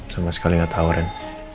sama sekali gak tau ren